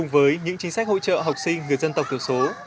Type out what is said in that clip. với những chính sách hỗ trợ học sinh người dân tộc thiểu số